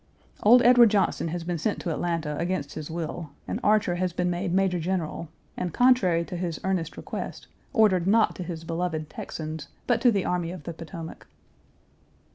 Old Edward Johnston has been sent to Atlanta against his will, and Archer has been made major general and, contrary to his earnest request, ordered not to his beloved Texans but to the Army of the Potomac.